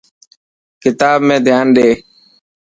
ڪتاب ۾ ڌيان ڏي.